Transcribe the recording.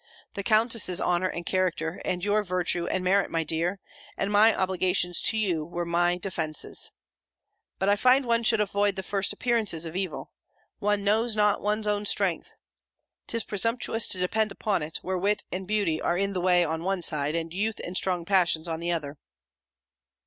The Countess's honour and character, and your virtue and merit, my dear, and my obligations to you, were my defences: but I find one should avoid the first appearances of evil. One knows not one's own strength. 'Tis presumptuous to depend upon it, where wit and beauty are in the way on one side, and youth and strong passions on the other."